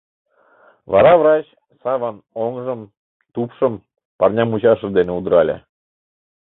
Вара врач Саван оҥжым, тупшым парня мучашыж дене удырале: